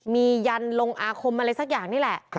มียันลงอาคมอะไรสักอย่างนี่แหละ